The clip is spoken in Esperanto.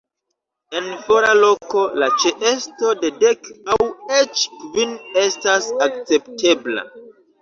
En fora loko, la ĉeesto de dek aŭ eĉ kvin estas akceptebla.